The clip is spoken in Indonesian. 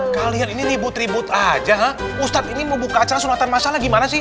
kalian ini ribut ribut aja ustadz ini mau buka acara sunatan masalah gimana sih